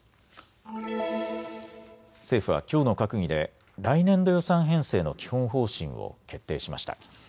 政府はきょうの閣議で来年度予算編成の基本方針を決定しました。